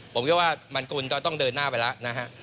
ผมคิดว่ามันควรจะต้องเดินหน้าไปแล้วนะฮะ